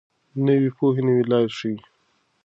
نوې پوهه نوې لارې ښيي.